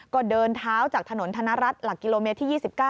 ก็เดินเท้าจากถนนธนรัฐหลักกิโลเมตรที่๒๙